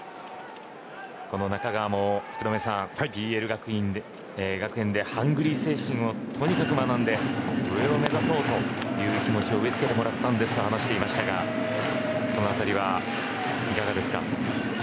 この中川も福留さんＰＬ学園でハングリー精神をとにかく学んで上を目指そうという気持ちを植えつけてもらったんですと話していましたがそのあたりはいかがですか。